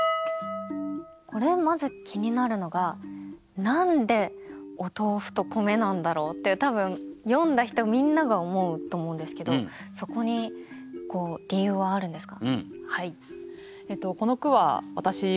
これまず気になるのがって多分読んだ人みんなが思うと思うんですけどそこに理由はあるんですか？